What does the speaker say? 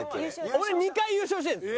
俺２回優勝してるんです。